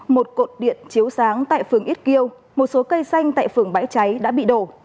một cột điện chiếu sáng tại phường ít kiêu một số cây xanh tại phường bãi cháy đã bị đổ